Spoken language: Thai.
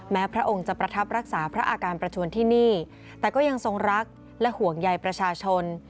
พระองค์จะประทับรักษาพระอาการประชวนที่นี่แต่ก็ยังทรงรักและห่วงใยประชาชน